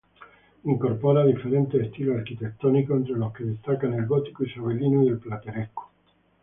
Incorpora diferentes estilos arquitectónicos, entre los que destacan el gótico isabelino y el plateresco.